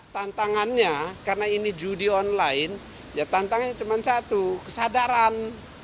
tantangannya karena ini judi online ya tantangannya cuma satu kesadaran